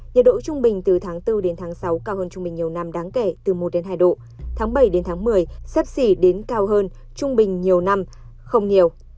nhiệt độ trung bình từ tháng bốn sáu cao hơn trung bình nhiều năm đáng kể từ một hai độ tháng bảy một mươi sắp xỉ đến cao hơn trung bình nhiều năm không nhiều